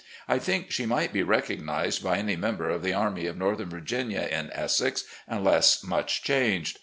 I think she might be recognised by any member of the Army of Northern Virginia, in Essex, unless much changed.